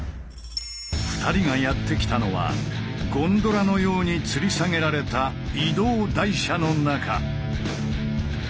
２人がやって来たのはゴンドラのようにつり下げられた移動台車の中。